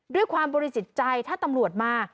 ด้วยความบริสุทธิ์ใจถ้าตำรวจมา